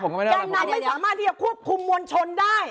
ด้านในไม่สามารถที่จะควบคุมมวลชนได้